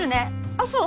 あっそう？